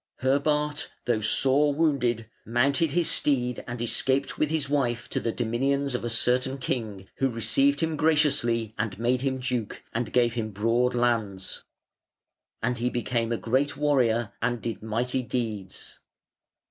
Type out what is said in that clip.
Herbart, though sore wounded, mounted his steed and escaped with his wife to the dominions of a certain king, who received him graciously, and made him duke, and gave him broad lands. And he became a great warrior and did mighty deeds.